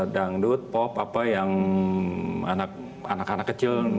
dangdut pop apa yang anak anak kecil